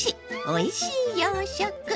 おいしい洋食！」。